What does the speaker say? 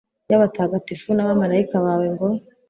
y'abatagatifu n'abamalayika bawe ; ngo